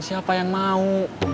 siapa yang mau